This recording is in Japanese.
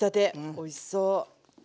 おいしそう。